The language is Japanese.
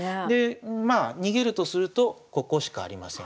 まあ逃げるとするとここしかありません。